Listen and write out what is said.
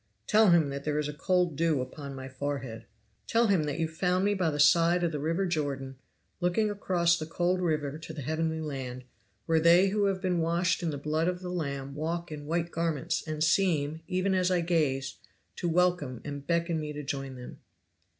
"Tell him that there is a cold dew upon my forehead. "Tell him that you found me by the side of the river Jordan, looking across the cold river to the heavenly land, where they who have been washed in the blood of the Lamb walk in white garments, and seem, even as I gaze, to welcome and beckon me to join them.